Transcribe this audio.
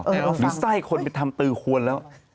แล้วมีไส้คนทำตือควรแล้ว